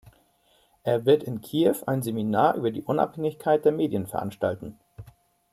Er wird in Kiew ein Seminar über die Unabhängigkeit der Medien veranstalten.